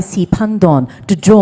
pemerintah pemerintah lau